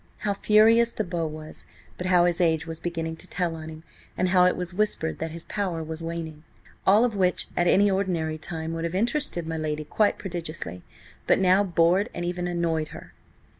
How furious the Beau was, but how his age was beginning to tell on him, and how it was whispered that his power was waning. All of which at any ordinary time would have interested my lady quite prodigiously, but now bored and even annoyed her.